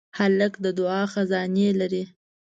هلک د دعا خزانې لري.